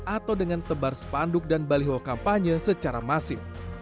atau dengan tebar spanduk dan baliho kampanye secara masif